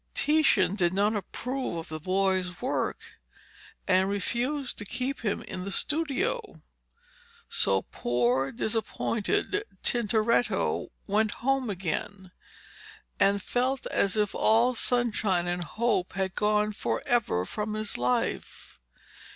Titian did not approve of the boy's work, and refused to keep him in the studio; so poor, disappointed Tintoretto went home again, and felt as if all sunshine and hope had gone for ever from his life.